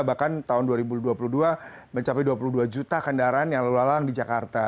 bahkan tahun dua ribu dua puluh dua mencapai dua puluh dua juta kendaraan yang lalu lalang di jakarta